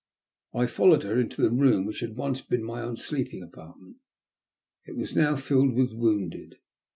I followed her into the room which had once been my own sleeping apartment. It was now filled with wounded.